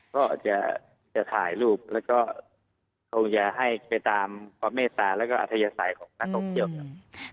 ก็อาจจะถ่ายรูปแล้วก็คงจะให้ไปตามความเมตตาแล้วก็อัธยศัยของนักท่องเที่ยวครับ